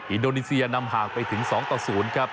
อิดโนนิเซียนำห่างไปถึง๒๐ครับ